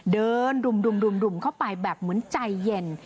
เดินดุ่มเข้าไปแบบเหมือนใจเย็น